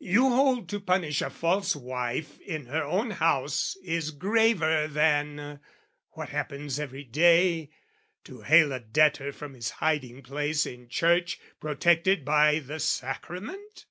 You hold, To punish a false wife in her own house Is graver than, what happens every day, To hale a debtor from his hiding place In church protected by the Sacrament?